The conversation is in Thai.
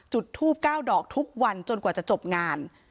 จุดทูบ๙ดอกทุกวันจนกว่าจะจบงาน